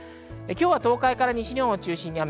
今日は東海から西日本を中心に雨。